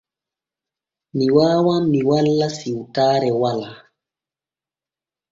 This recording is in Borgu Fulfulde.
Mi waawan mi golla siwtaare walaa.